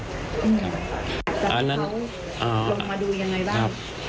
แล้วเขาลงมาดูยังไงบ้าง